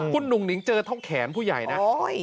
คุณหนุ่งหนิงเจอเท่าแขนผู้ใหญ่นะ